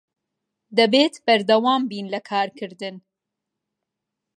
دەبێت بەردەوام بین لە کارکردن.